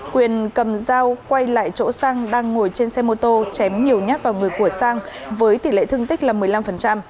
quyền cầm dao quay lại chỗ sang đang ngồi trên xe mô tô chém nhiều nhát vào người của sang với tỷ lệ thương tích là một mươi năm